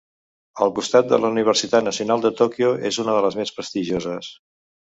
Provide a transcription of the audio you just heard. Al costat de la Universitat Nacional de Tòquio és una de les més prestigioses.